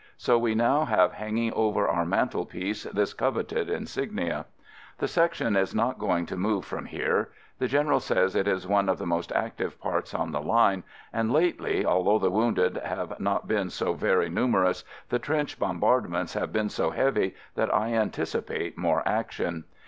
So we now have hang ing over our mantelpiece this coveted insignia. The Section is not going to move from here. The General says it is one of the most active parts on the line, and lately, although the wounded have not been so FIELD SERVICE 127 very numerous, the trench bombard ments have been so heavy that I antici pate more action.